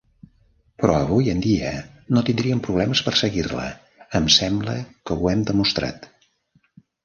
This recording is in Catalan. Però avui en dia no tindrien problemes per seguir-la, em sembla que ho hem demostrat.